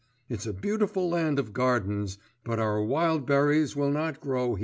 It's a beautiful land of gardens but our wild berries will not grow here.